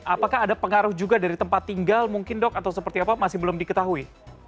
apakah ada pengaruh juga dari tempat tinggal mungkin dok atau seperti apa masih belum diketahui